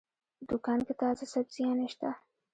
په دوکان کې تازه سبزيانې شته.